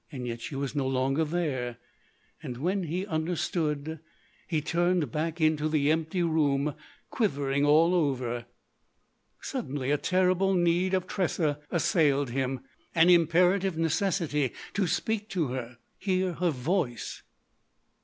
Yet she was no longer there. And, when he understood, he turned back into the empty room, quivering all over. Suddenly a terrible need of Tressa assailed him—an imperative necessity to speak to her—hear her voice.